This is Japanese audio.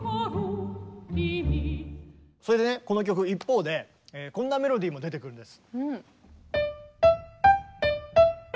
それでねこの曲一方でこんなメロディーも出てくるんです。